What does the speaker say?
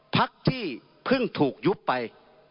พักที่เพิ่งถูกยุบไป